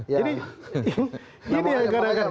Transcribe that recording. jadi ini yang kadang kadang